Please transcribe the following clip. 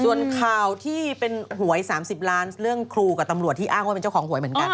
ส่วนข่าวที่เป็นหวย๓๐ล้านเรื่องครูกับตำรวจที่อ้างว่าเป็นเจ้าของหวยเหมือนกัน